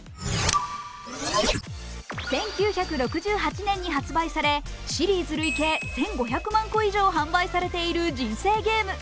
１９６８年に発売されシリーズ累計１５００万個以上販売されている「人生ゲーム」。